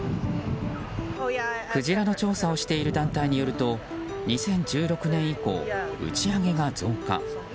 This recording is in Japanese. クジラの調査をしている団体によると、２０１６年以降打ち上げが増加。